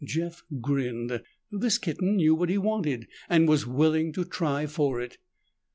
Jeff grinned. This kitten knew what he wanted and was willing to try for it.